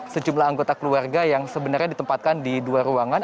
sejumlah anggota keluarga yang sebenarnya ditempatkan di dua ruangan